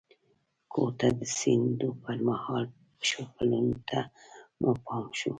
کور ته د ستنېدو پر مهال د پښو پلونو ته مو پام شو.